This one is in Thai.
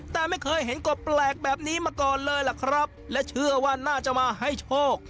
แต่ไม่เคยเห็นกบแปลกแบบนี้มาก่อนเลยล่ะครับและเชื่อว่าน่าจะมาให้โชค